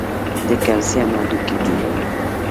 د کلسیم هډوکي جوړوي.